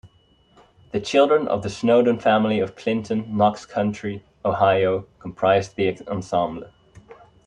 The children of the Snowden family of Clinton, Knox County, Ohio, comprised the ensemble.